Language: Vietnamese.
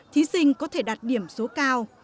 thí sinh có thể đặt điểm số cao